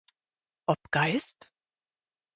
Ob Geist?